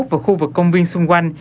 và khu vực công viên xung quanh